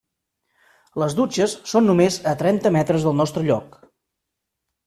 Les dutxes són només a trenta metres del nostre lloc.